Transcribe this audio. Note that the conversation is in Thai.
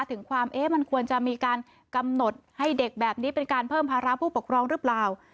ถึงความเอ๊ะมันควรจะมีการกำหนดให้เด็กแบบนี้เป็นการเพิ่มภาระผู้ปกครองหรือเปล่า